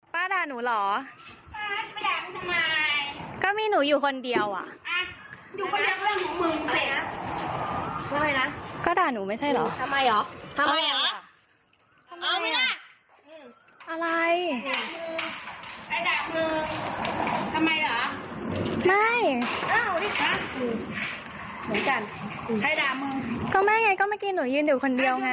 ป้าด่าหนูหรอก็มีหนูอยู่คนเดียวอ่ะ